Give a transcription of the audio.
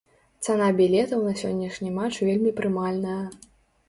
Цана білетаў на сённяшні матч вельмі прымальная.